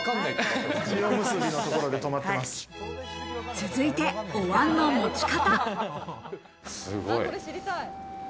続いて、お椀の持ち方。